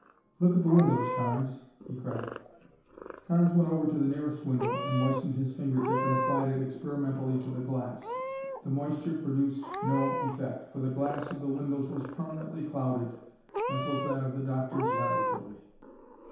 "Look at the windows, Carnes," he cried. Carnes went over to the nearest window and moistened his finger tip and applied it experimentally to the glass. The moisture produced no effect, for the glass of the windows was permanently clouded as was that of the doctor's laboratory.